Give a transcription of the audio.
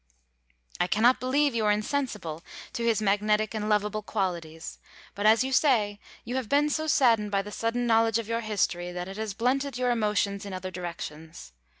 I can not believe you are insensible to his magnetic and lovable qualities, but, as you say, you have been so saddened by the sudden knowledge of your history that it has blunted your emotions in other directions.